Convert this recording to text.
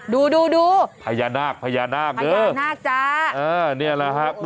ดูดูดูพญานาคพญานาคเออพญานาคจ้ะเออเนี่ยแหละฮะ